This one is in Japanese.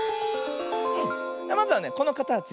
まずはねこのかたち